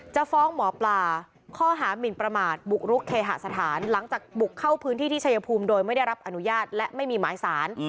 จะฟ้องหมอปลาข้อหามินประมาทบุกรุกเคหสถานหลังจากบุกเข้าพื้นที่ที่ชายภูมิโดยไม่ได้รับอนุญาตและไม่มีหมายสาร